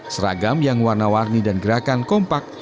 seragam yang warna warni dan gerakan kompak